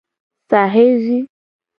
Saxe vi.